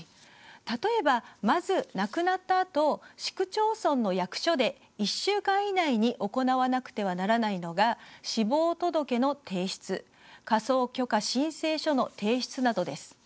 例えば、まず亡くなったあと市区町村の役所で１週間以内に行わなくてはならないのが死亡届の提出、火葬許可申請書の提出などです。